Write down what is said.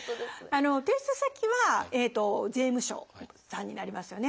提出先は税務署さんになりますよね。